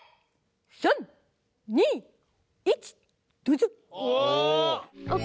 ３２１どうぞ。